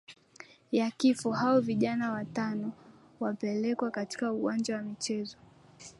ya kifo Hao vijana Wakristo watano wakapelekwa katika uwanja wa michezo